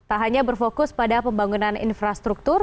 tak hanya berfokus pada pembangunan infrastruktur